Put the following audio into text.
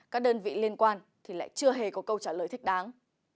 các đơn vị liên quan thì lại chưa hề có câu trả lời thích đáng